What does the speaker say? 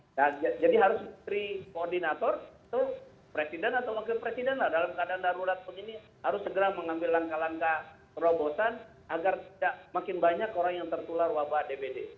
nah jadi harus menteri koordinator itu presiden atau wakil presiden lah dalam keadaan darurat pun ini harus segera mengambil langkah langkah terobosan agar tidak makin banyak orang yang tertular wabah dbd